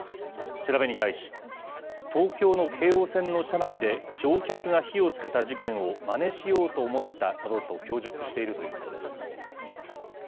調べに対し、東京の京王線の車内で乗客が火をつけた事件をまねしようと思ったなどと供述しているということです。